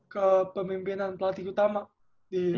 ke pemimpinan pelatih utama di prapon